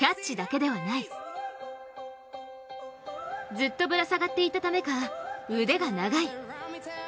ずっとぶら下がっていたためか、腕が長い。